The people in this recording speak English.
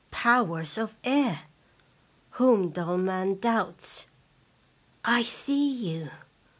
Powers of Air ! whom dull man doubts. /see you!